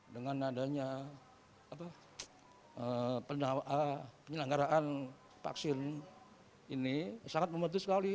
dengan adanya penyelenggaraan vaksin ini sangat membantu sekali